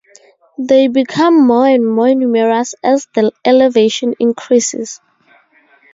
They become more and more numerous as the elevation increases.